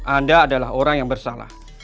anda adalah orang yang bersalah